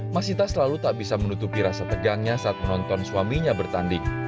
masita selalu tak bisa menutupi rasa tegangnya saat menonton suaminya bertanding